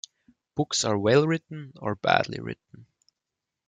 Books are well written, or badly written.